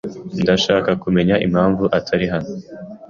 Ndashaka kumenya impamvu atari hano.